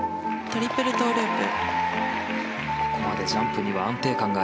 トリプルループ。